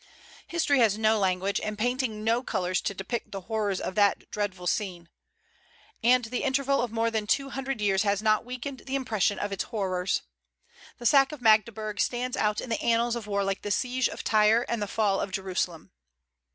History has no language, and painting no colors to depict the horrors of that dreadful scene; and the interval of more than two hundred years has not weakened the impression of its horrors. The sack of Magdeburg stands out in the annals of war like the siege of Tyre and the fall of Jerusalem.